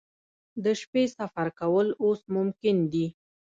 د شپې سفر کول اوس ممکن دي